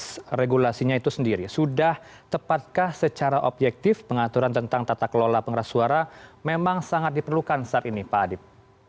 proses regulasinya itu sendiri sudah tepatkah secara objektif pengaturan tentang tata kelola pengeras suara memang sangat diperlukan saat ini pak adip